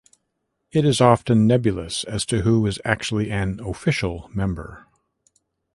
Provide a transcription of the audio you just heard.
It is often nebulous as to who is actually an 'official' member.